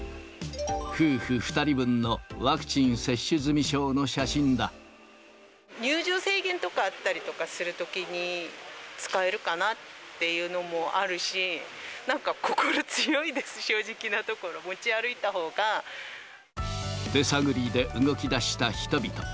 夫婦２人分のワクチン接種済入場制限とかあったりするときに、使えるかなっていうのもあるし、なんか心強いです、正直な手探りで動きだした人々。